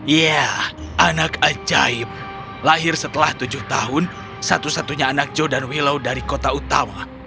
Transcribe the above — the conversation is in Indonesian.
iya anak ajaib lahir setelah tujuh tahun satu satunya anak jodan willow dari kota utama